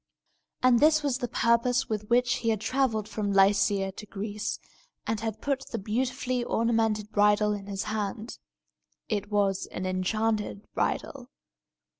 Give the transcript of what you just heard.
And this was the purpose with which he had travelled from Lycia to Greece, and had brought the beautifully ornamented bridle in his hand. It was an enchanted bridle.